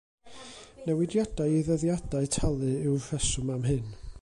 Newidiadau i ddyddiadau talu yw'r rheswm am hyn.